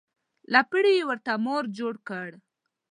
له پړي یې ورته مار جوړ کړ.